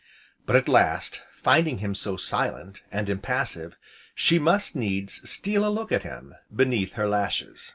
But at last, finding him so silent, and impassive, she must needs steal a look at him, beneath her lashes.